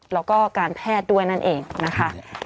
แล้วก็การแพทย์ด้วยนั่นเองนะคะ